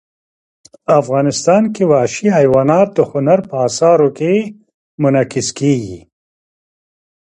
افغانستان کې وحشي حیوانات د هنر په اثار کې منعکس کېږي.